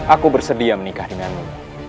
aku bersedia menikah dengbanku